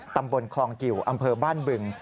ตำบลคลองกิวอำเภอบ้านบึง